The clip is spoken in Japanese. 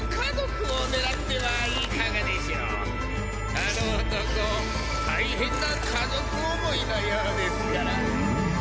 あの男大変な家族思いのようですから。